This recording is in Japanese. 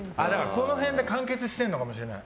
この辺で完結してるのかもしれない。